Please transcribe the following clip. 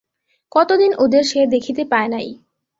কতদিন ওদের সে দেখিতে পায় নাই।